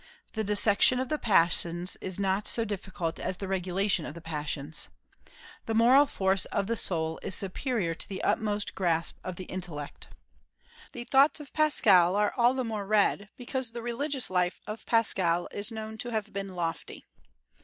The dissection of the passions is not so difficult as the regulation of the passions. The moral force of the soul is superior to the utmost grasp of the intellect. The "Thoughts" of Pascal are all the more read because the religious life of Pascal is known to have been lofty.